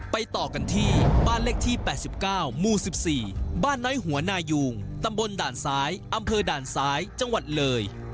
ต่อกันที่บ้านเลขที่๘๙หมู่๑๔บ้านน้อยหัวนายุงตำบลด่านซ้ายอำเภอด่านซ้ายจังหวัดเลย